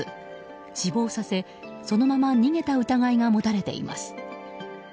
死亡させ、そのまま逃げた疑いが持たれています。